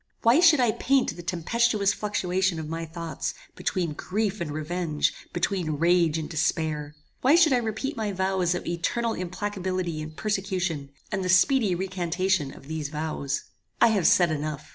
"Why should I paint the tempestuous fluctuation of my thoughts between grief and revenge, between rage and despair? Why should I repeat my vows of eternal implacability and persecution, and the speedy recantation of these vows? "I have said enough.